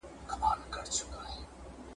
زاهده زما پر ژبه نه راځي توبه له میو ..